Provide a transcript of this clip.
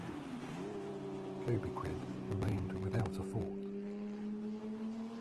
Cobequid remained without a fort.